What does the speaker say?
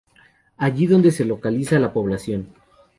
Es allí donde se localiza la población.